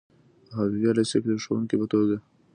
په حبیبیه لیسه کې د ښوونکي په توګه.